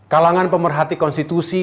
kalangan pemerhati konstitusi